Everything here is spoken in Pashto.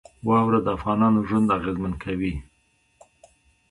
واوره د افغانانو ژوند اغېزمن کوي.